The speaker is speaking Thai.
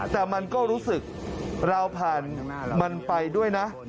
แต่มันก็รู้สึกเราผ่านมันไปด้วยนะ